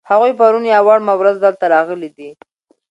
هغوی پرون یا وړمه ورځ دلته راغلي دي.